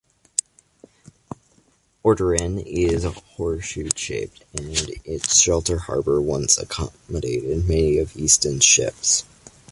Oderin is horse-shoe-shaped and its sheltered harbour once accommodated many of Easton's ships.